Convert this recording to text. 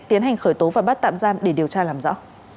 tiến hành khởi tố và bắt tạm giam để điều tra làm rõ